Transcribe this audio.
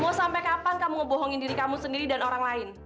mau sampai kapan kamu ngebohongin diri kamu sendiri dan orang lain